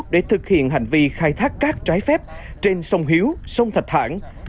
để thực hiện hành vi khai thác cát trái phép trên sông hiếu sông thạch hãn